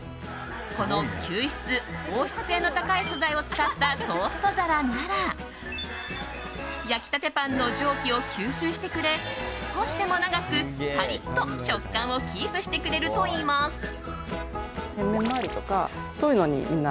この吸湿・放湿性が高い素材を使ったトースト皿なら焼き立てパンの蒸気を吸収してくれ、少しでも長くパリッと、食感をキープしてくれるといいます。